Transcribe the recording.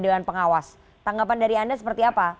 dewan pengawas tanggapan dari anda seperti apa